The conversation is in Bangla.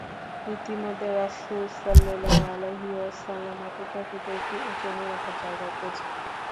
ইতোমধ্যে রাসূল সাল্লাল্লাহু আলাইহি ওয়াসাল্লাম অপেক্ষাকৃত একটি উঁচু নিরাপদ জায়গায় পৌঁছে যান।